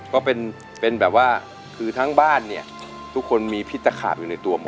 ก็เป็นแบบว่าคือทั้งบ้านเนี่ยทุกคนมีพิษตะขาบอยู่ในตัวหมด